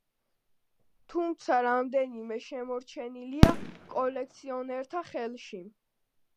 თუმცა რამდენიმე შემორჩენილია კოლექციონერთა ხელში.